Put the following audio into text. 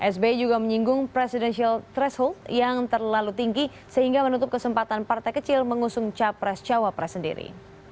sbi juga menyinggung presidensial threshold yang terlalu tinggi sehingga menutup kesempatan partai kecil mengusung capres cawapres sendiri